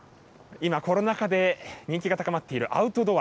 今、コロナ禍で人気が高まっているアウトドア。